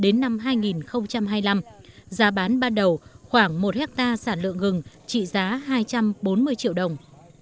đến năm hai nghìn hai mươi năm giá bán ban đầu khoảng một hectare sản lượng gừng trị giá hai trăm bốn mươi triệu đồng